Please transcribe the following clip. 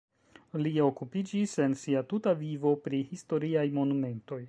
Li okupiĝis en sia tuta vivo pri historiaj monumentoj.